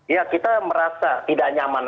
ya kita merasa tidak nyaman